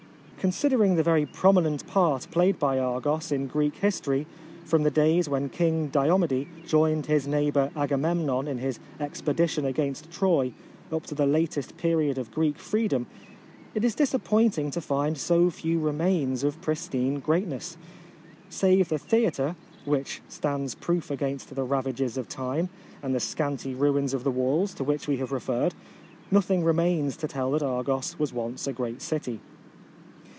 Considering the very prominent part played by Argos in Greek his tory, from the days when King Diomede joined his neighbour Aga memnon in his expedition against Troy, up to the latest period of Greek freedom, it is disappoint ing to find so few remains of pristine greatness. Save the the atre, which stands proof against the ravages of time, and the scanty ruins of the walls to which we have referred, nothing remains to tell that Argos was once a great city.